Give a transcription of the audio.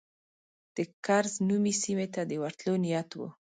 د کرز نومي سیمې ته د ورتلو نیت و.